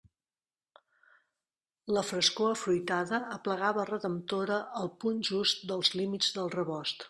La frescor afruitada aplegava redemptora al punt just dels límits del rebost.